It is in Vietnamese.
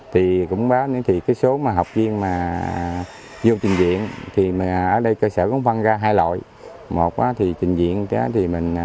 thì cũng báo nữa thì cái số mà học viên mà vô trình viện thì ở đây cơ sở cũng phân ra hai loại một thì trình viện đó thì mình ở một cái cho về cái khu trình viện